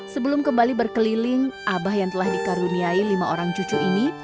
sebelum kembali berkeliling abah yang telah dikaruniai lima orang cucu ini